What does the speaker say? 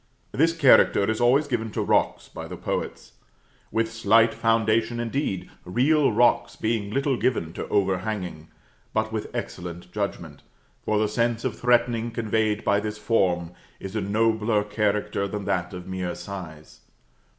This character is always given to rocks by the poets; with slight foundation indeed real rocks being little given to overhanging but with excellent judgment; for the sense of threatening conveyed by this form is a nobler character than that of mere size.